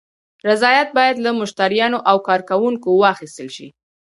رضایت باید له مشتریانو او کارکوونکو واخیستل شي.